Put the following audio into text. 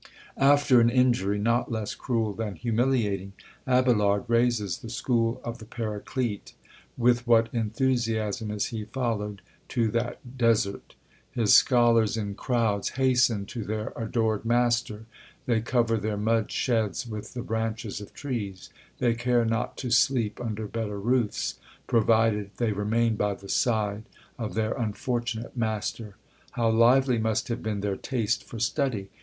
_" After an injury, not less cruel than humiliating, Abelard raises the school of the Paraclete; with what enthusiasm is he followed to that desert! His scholars in crowds hasten to their adored master; they cover their mud sheds with the branches of trees; they care not to sleep under better roofs, provided they remain by the side of their unfortunate master. How lively must have been their taste for study!